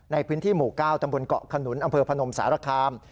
ในพื้นที่หมู่๙ตำบลเกาะขนุนอำเภอพนมสารคาม